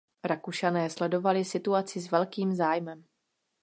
Rakušané sledovali situaci s velkým zájmem.